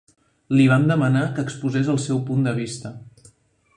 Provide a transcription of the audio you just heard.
Li van demanar que exposés el seu punt de vista.